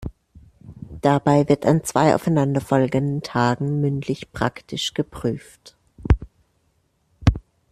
Dabei wird an zwei aufeinanderfolgenden Tagen mündlich-praktisch geprüft.